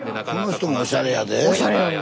この人もおしゃれやで。